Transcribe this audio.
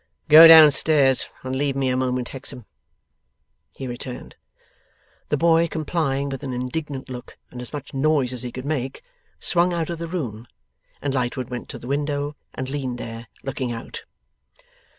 'Go down stairs, and leave me a moment, Hexam,' he returned. The boy complying with an indignant look and as much noise as he could make, swung out of the room; and Lightwood went to the window, and leaned there, looking out.